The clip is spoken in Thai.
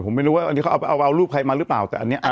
ผมไม่รู้ว่าอันนี้เขาเอารูปใครมาหรือเปล่าแต่อันนี้